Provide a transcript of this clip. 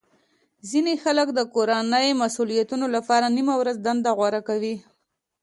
ځینې خلک د کورنۍ مسولیتونو لپاره نیمه ورځې دنده غوره کوي